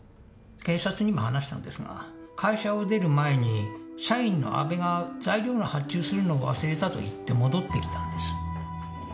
警察にも話したんですが会社を出る前に社員の阿部が材料の発注するのを忘れたと言って戻ってきたんです